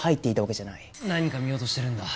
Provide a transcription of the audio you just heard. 何か見落としてるんだ。